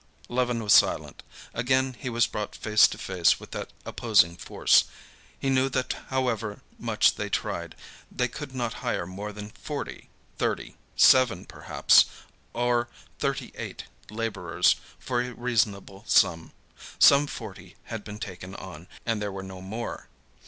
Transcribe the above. Levin was silent. Again he was brought face to face with that opposing force. He knew that however much they tried, they could not hire more than forty—thirty seven perhaps or thirty eight—laborers for a reasonable sum. Some forty had been taken on, and there were no more.